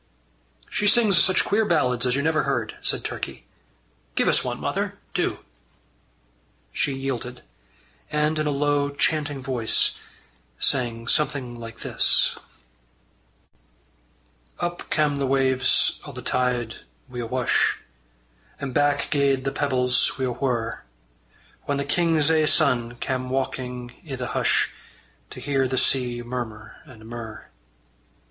"She sings such queer ballads as you never heard," said Turkey. "Give us one, mother; do." She yielded, and, in a low chanting voice, sang something like this: Up cam' the waves o' the tide wi' a whush, And back gaed the pebbles wi' a whurr, Whan the king's ae son cam' walking i' the hush, To hear the sea murmur and murr.